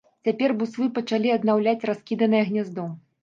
Цяпер буслы пачалі аднаўляць раскіданае гняздо.